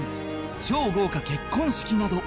超豪華結婚式など